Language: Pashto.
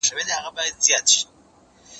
ما پرون د سبا لپاره د ژبي تمرين وکړ..